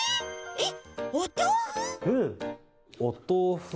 えっ？